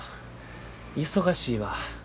忙しいわ。